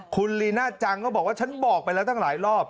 คุณลีน่าจังก็บอกว่าฉันบอกไปแล้วตั้งหลายรอบ